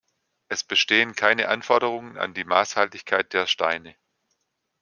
Es bestehen keine Anforderungen an die Maßhaltigkeit der Steine.